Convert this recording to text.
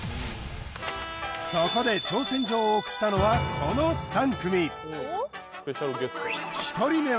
そこで挑戦状を送ったのはこの３組すいません